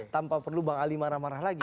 tanpa perlu bang ali marah marah lagi